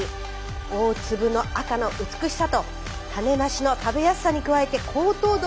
大粒の赤の美しさと種なしの食べやすさに加えて高糖度の甘みが特徴。